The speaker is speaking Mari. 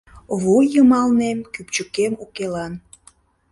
Вуй йымалнем кӱпчыкем укелан.